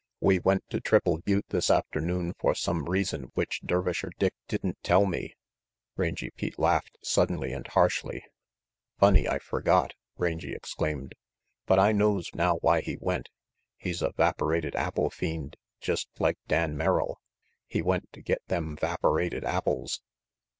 We went to Triple Butte this afternoon for some reason which Dervisher Dick didn't tell me Rangy Pete laughed suddenly and harshly. "Funny I f ergot," Rangy exclaimed, "but I RANGY PETE 95 knows now why he went. He's a 'vaporated apple fiend, jest like Dan Merrill. He went to git them 'vaporated apples."